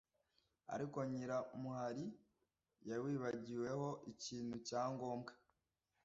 ariko nyiramuhari yawibagiweho ikintu cya ngombwa